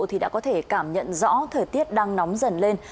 thì đã có thể cảm nhận rõ thời tiết đang nóng dần lên